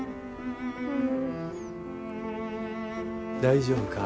大丈夫か？